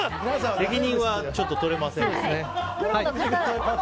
責任はちょっと取れません。